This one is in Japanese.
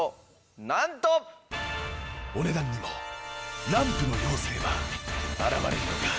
お値段にもランプの妖精は現れるのか！？